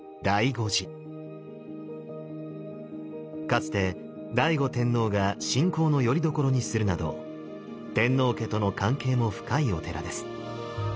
かつて醍醐天皇が信仰のよりどころにするなど天皇家との関係も深いお寺です。